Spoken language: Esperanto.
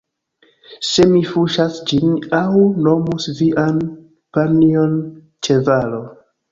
Se mi fuŝas ĝin aŭ nomus vian panjon ĉevalo